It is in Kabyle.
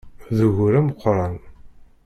D ugur ameqqran!